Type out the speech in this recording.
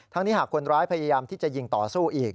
นี้หากคนร้ายพยายามที่จะยิงต่อสู้อีก